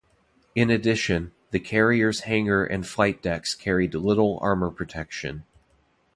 In addition, the carrier's hangar and flight decks carried little armor protection.